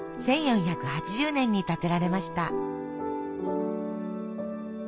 １４８０年に建てられました。